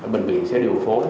bệnh viện sẽ điều phối